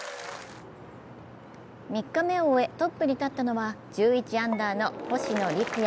３日目を終え、トップに立ったのは１１アンダーの星野陸也。